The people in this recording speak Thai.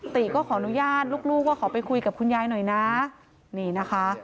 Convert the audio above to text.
ติก็ขออนุญาตลูกลูกว่าขอไปคุยกับคุณยายหน่อยนะนี่นะคะ